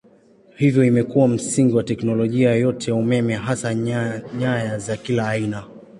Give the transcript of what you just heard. Hivyo imekuwa msingi wa teknolojia yote ya umeme hasa nyaya za kila aina.